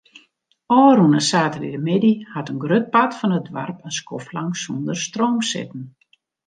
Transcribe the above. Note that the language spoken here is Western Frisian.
Ofrûne saterdeitemiddei hat in grut part fan it doarp in skoftlang sûnder stroom sitten.